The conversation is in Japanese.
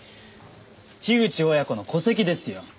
樋口親子の戸籍ですよ。